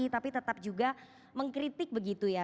tapi tetap juga mengkritik begitu ya